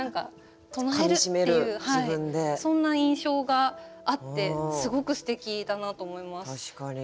唱えるっていうそんな印象があってすごくすてきだなと思います。